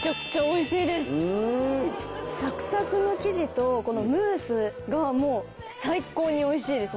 サクサクの生地とこのムースがもう最高においしいです